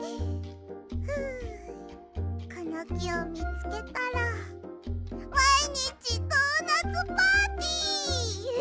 ふうこのきをみつけたらまいにちドーナツパーティー！